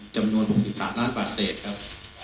จำนวน๖๓ล้านบาทเศษครับ